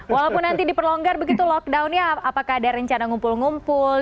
walaupun nanti diperlonggar begitu lockdownnya apakah ada rencana ngumpul ngumpul